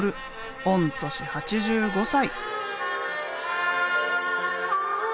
御年８５歳。